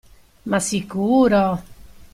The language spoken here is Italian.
Ma sicuro!